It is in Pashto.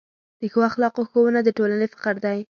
د ښو اخلاقو ښوونه د ټولنې فخر دی.